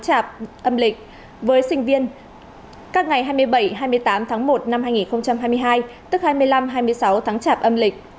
chạp âm lịch với sinh viên các ngày hai mươi bảy hai mươi tám tháng một năm hai nghìn hai mươi hai tức hai mươi năm hai mươi sáu tháng chạp âm lịch